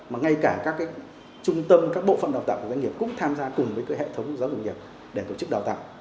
mà ngay cả các trung tâm các bộ phận đào tạo của doanh nghiệp cũng tham gia cùng với hệ thống giáo dục nghiệp để tổ chức đào tạo